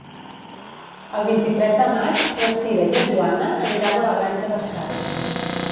El vint-i-tres de maig na Cira i na Joana aniran a la Granja d'Escarp.